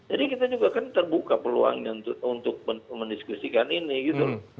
jadi kita juga kan terbuka peluangnya untuk mendiskusikan ini gitu